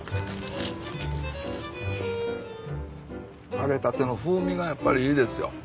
揚げたての風味がやっぱりいいですよ。